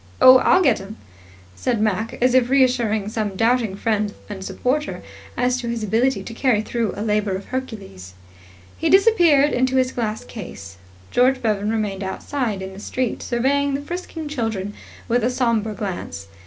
Oh, I'll get 'em," said Mac, as if reassuring some doubting friend and supporter as to his ability to carry through a labour of Hercules. He disappeared into his glass case. George Bevan remained outside in the street surveying the frisking children with a sombre glance.